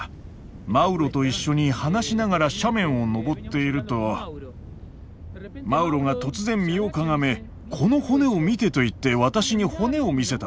マウロと一緒に話しながら斜面をのぼっているとマウロが突然身をかがめ「この骨を見て」と言って私に骨を見せたんです。